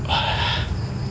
saya sudah berangkat